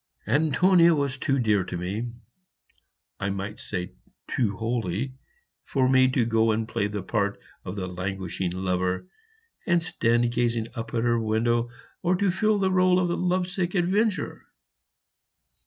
Antonia was too dear to me, I might say too holy, for me to go and play the part of the languishing lover and stand gazing up at her window, or to fill the role of the lovesick adventurer.